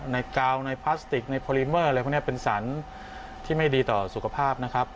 กาวในพลาสติกในโพลิเมอร์อะไรพวกนี้เป็นสรรที่ไม่ดีต่อสุขภาพนะครับ